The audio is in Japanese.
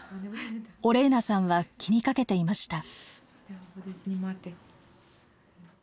オレーナさんは気にかけていました。